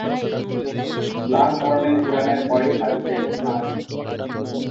ইসলাম ধর্মে কুরআনের পরই হাদিসের স্থান।